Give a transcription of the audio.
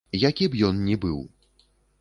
Які б ён ні быў.